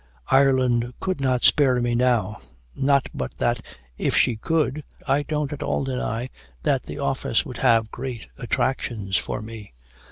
Ireland could not spare me now; not but that, if she could, I don't at all deny that the office would have great attractions for me.